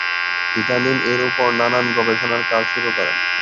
Vitamin এর উপর নানান গবেষণার কাজ শুরু করেন।